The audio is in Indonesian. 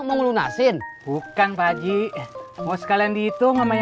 kamu makannya sekarang aja